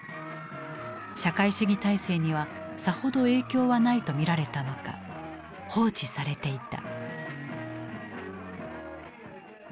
社会主義体制にはさほど影響はないと見られたのか放置されていた。